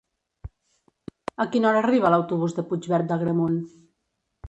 A quina hora arriba l'autobús de Puigverd d'Agramunt?